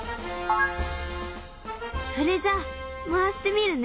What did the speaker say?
それじゃ回してみるね。